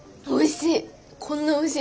おいしい！